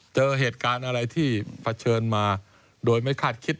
เจอเหตุการณ์อะไรที่เผชิญมาโดยไม่คาดคิด